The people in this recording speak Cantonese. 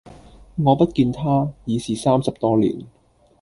我不見他，已是三十多年；